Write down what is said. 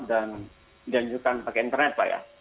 dan jajukan pakai internet